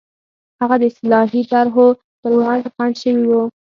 هغه د اصلاحي طرحو پر وړاندې خنډ شوي وو.